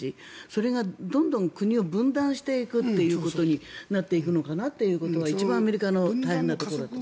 それがどんどん国を分断していくことになっていくのかなというのは一番アメリカの大変なところだと。